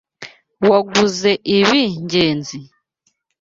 Waguze ibi Ngenzi?